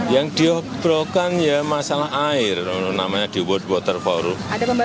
yang diobrokan ya masalah air namanya di world water forum